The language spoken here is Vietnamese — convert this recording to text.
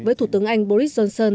với thủ tướng anh boris johnson